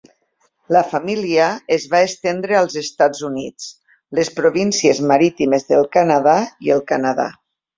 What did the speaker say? La família es va estendre als Estats Units, les Províncies Marítimes del Canadà i el Canadà.